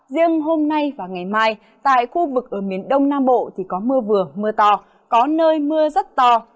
riêng hôm nay và ngày mai tại khu vực ở miền đông nam bộ thì có mưa vừa mưa to có nơi mưa rất to